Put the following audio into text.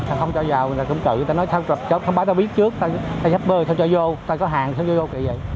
ta không cho vào người ta cũng cự người ta nói sao báo ta biết trước ta shipper sao cho vô ta có hàng sao cho vô kỳ vậy